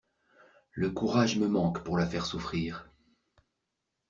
Le courage me manque pour la faire souffrir!